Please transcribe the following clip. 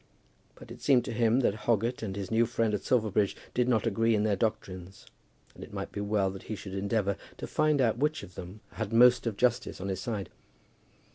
But it seemed to him that Hoggett and his new friend at Silverbridge did not agree in their doctrines, and it might be well that he should endeavour to find out which of them had most of justice on his side.